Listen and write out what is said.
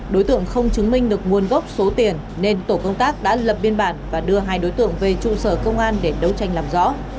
đối tượng không chứng minh được nguồn gốc số tiền nên tổ công tác đã lập biên bản và đưa hai đối tượng về trụ sở công an để đấu tranh làm rõ